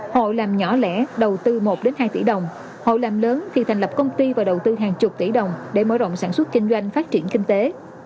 họ làm nhỏ lẻ đầu tư một đến hai tỷ đồng họ làm lớn khi thành lập công ty và đầu tư hàng chục tỷ đồng để mở rộng sản xuất kinh doanh phát triển kinh tế